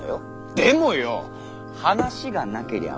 でもよォ「話」がなけりゃあ